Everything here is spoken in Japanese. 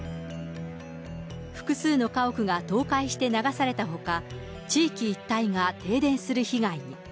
複数の家屋が倒壊して流されたほか、地域一帯が停電する被害に。